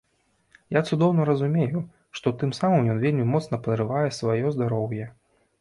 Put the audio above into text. Я цудоўна разумею, што тым самым ён вельмі моцна падрывае сваё здароўе.